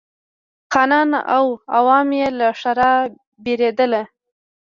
خانان او عوام یې له ښرا بېرېدل.